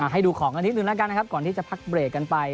ให้ดูของกันนิดนึงแล้วกันนะครับก่อนที่จะพักเบรกกันไป